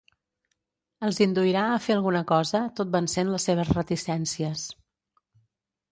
Els induirà a fer alguna cosa, tot vencent les seves reticències.